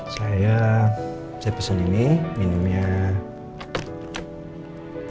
saya saya pesen ini minumnya